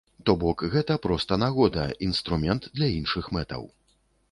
То бок гэта проста нагода, інструмент для іншых мэтаў.